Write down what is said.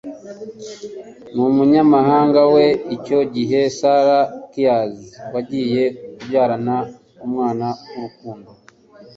n’umunyamabanga we icyo gihe Sarah Keays wagiye kubyara umwana w'urukundo